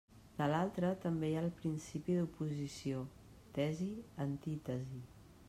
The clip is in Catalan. De l'altra, també hi ha el principi de l'oposició: tesi-antítesi.